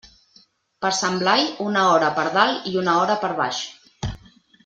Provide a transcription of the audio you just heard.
Per Sant Blai, una hora per dalt i una hora per baix.